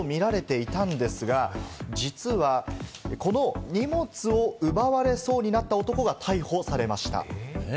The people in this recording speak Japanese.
ひったくりの瞬間だと見られていたんですが、実はこの荷物を奪われそうになった男が逮捕されました。